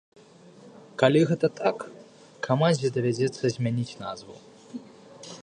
Калі гэта так, камандзе давядзецца змяніць назву.